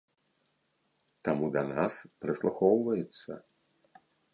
Таму да нас прыслухоўваюцца.